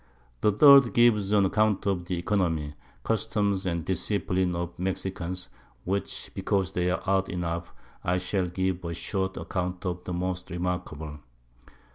The third gives an account of the Oeconomy, Customs and Discipline of the Mexicans, which because they are odd enough, I shall give a short Account of the most remarkable.